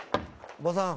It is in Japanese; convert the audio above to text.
おばさん。